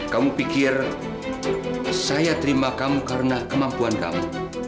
kamu pikir saya terima kamu karena kemampuan kamu